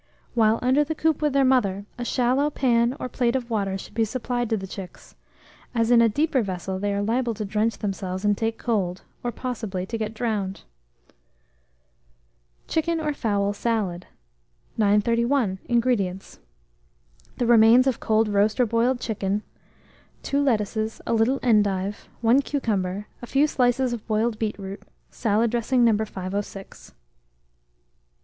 While under the coop with their mother, a shallow pan or plate of water should be supplied to the chicks, as in a deeper vessel they are liable to drench themselves and take cold, or possibly to get drowned. CHICKEN OR FOWL SALAD. 931. INGREDIENTS. The remains of cold roast or boiled chicken, 2 lettuces, a little endive, 1 cucumber, a few slices of boiled beetroot, salad dressing No. 506.